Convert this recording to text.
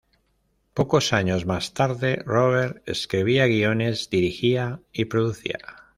Pocos años más tarde, Robert escribía guiones, dirigía y producía.